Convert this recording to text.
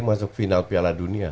masuk final piala dunia